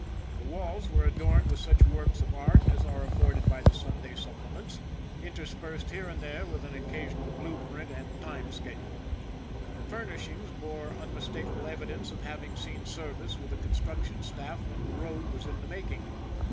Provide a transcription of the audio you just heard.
The walls were adorned with such works of art as are afforded by the Sunday supple ments, interspersed here and there with an occasional blue print and time schedule. The furnishings bore unmistakable evidence of having seen service with the construction staff when the road was in the making.